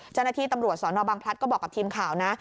เจ้าหน้าที่ตำรวจสนบังพลัดก็บอกกับทีมข่าวนะ